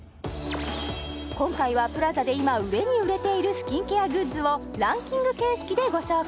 今回はＰＬＡＺＡで今売れに売れているスキンケアグッズをランキング形式でご紹介